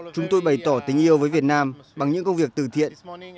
chúng tôi bày tỏ tình yêu với việt nam bằng những công việc từ thiện